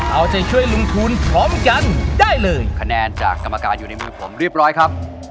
เอาใจช่วยลุงทูลพร้อมกันได้เลยคะแนนจากกรรมการอยู่ในมือผมเรียบร้อยครับ